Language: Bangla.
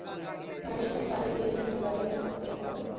নারীরা শিক্ষা-দীক্ষায় আরও এগিয়ে এলে নিজেদের দাবি আদায় করতে সক্ষম হবেন।